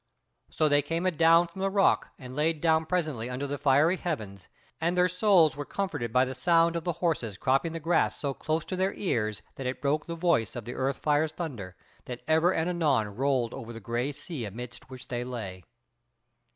So they came adown from the rock and lay down presently under the fiery heavens: and their souls were comforted by the sound of the horses cropping the grass so close to their ears, that it broke the voice of the earth fires' thunder, that ever and anon rolled over the grey sea amidst which they lay.